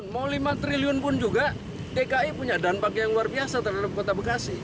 mau lima triliun pun juga dki punya dampak yang luar biasa terhadap kota bekasi